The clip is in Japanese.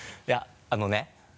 いやあのね。